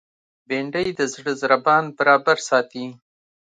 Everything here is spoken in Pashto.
بېنډۍ د زړه ضربان برابر ساتي